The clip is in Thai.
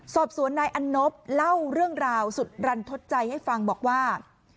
สอบสวนนายอันนบเล่าเรื่องราวสุดรันทดใจให้ฟังบอกว่า